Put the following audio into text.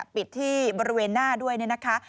ปิดที่บริเวณหน้าด้วยนะคะ